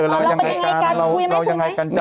ไปยังไงกันถึงคุยยังไงกัน